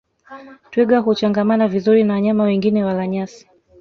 Twiga huchangamana vizuri na wanyama wengine wala nyasi